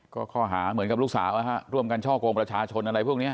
ก็ข้อหาเหมือนกับลูกสาวร่วมกันช่อกงประชาชนอะไรพวกนี้